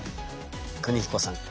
邦彦さん。